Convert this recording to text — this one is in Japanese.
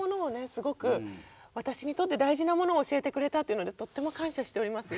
すごく私にとって大事なものを教えてくれたというのでとっても感謝しております。